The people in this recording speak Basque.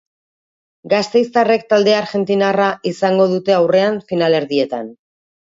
Gasteiztarrek talde argentinarra izango dute aurrean finalerdietan.